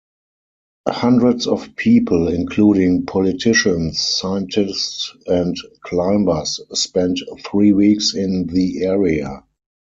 Hundreds of people, including politicians, scientists and climbers, spent three weeks in the area.